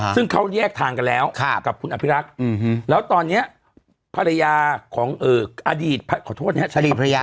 ซึ่งเขาแยกทางกันแล้วกับคุณอภิรักษ์แล้วตอนนี้ภรรยาของอดีตขอโทษนะครับ